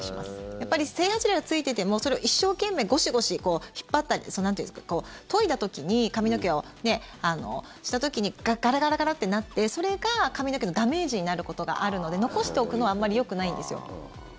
やっぱり整髪料がついててもそれを一生懸命ゴシゴシ引っ張ったりなんていうんですかといだ時に、髪の毛をした時にガラガラガラッてなってそれが髪の毛のダメージになることがあるので残しておくのはあんまりよくないんですよ。